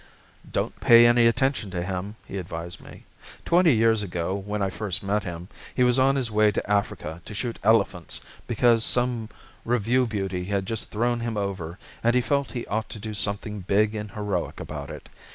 "Don't pay any attention to him," he advised me. "Twenty years ago, when I first met him, he was on his way to Africa to shoot elephants because some revue beauty had just thrown him over and he felt he ought to do something big and heroic about it.